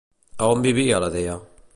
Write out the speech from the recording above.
A on vivia la dea?